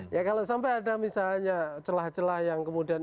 ya kalau sampai ada misalnya celah celah yang kemudian